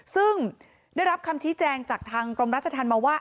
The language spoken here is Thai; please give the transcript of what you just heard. ซึ่งได้รับคำชี้แจงจากทางกรมราชธรรมมาว่า